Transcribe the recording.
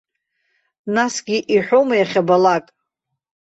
Насгьы иҳәома иахьабалак?